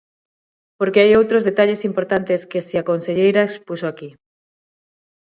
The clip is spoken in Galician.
Porque hai outros detalles importantes que si a conselleira expuxo aquí.